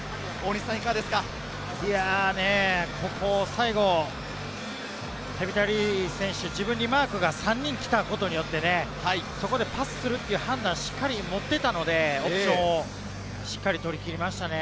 最後、テビタ・リー選手、自分にマークが３人来たことによって、そこでパスするという判断をしっかり持っていたので、しっかり取り切りましたね。